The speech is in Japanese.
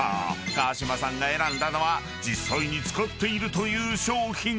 ［川島さんが選んだのは実際に使っているという商品］